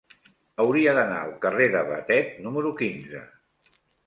Hauria d'anar al carrer de Batet número quinze.